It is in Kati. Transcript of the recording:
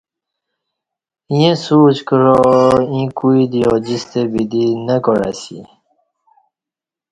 ییں سوچ کعا ایں کوئی دی اوجستہ بدی نہ کاع اسہ